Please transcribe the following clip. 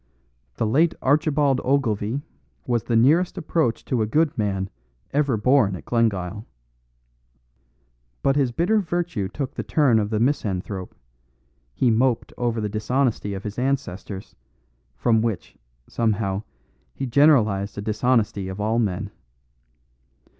"The late Archibald Ogilvie was the nearest approach to a good man ever born at Glengyle. But his bitter virtue took the turn of the misanthrope; he moped over the dishonesty of his ancestors, from which, somehow, he generalised a dishonesty of all men.